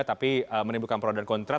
tapi menimbulkan perawatan kontra